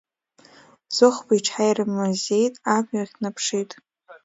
Зыхәба иҽааирмазеит, амҩахь днаԥшит…